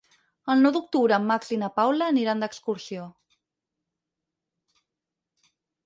El nou d'octubre en Max i na Paula aniran d'excursió.